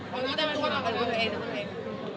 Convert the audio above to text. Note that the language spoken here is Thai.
ขอยือต้นมันมีตัวตัวเองตัวเอง